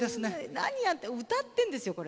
何やって歌ってんですよこれ。